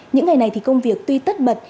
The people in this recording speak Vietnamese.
những ngày này thì công việc tuy tất bật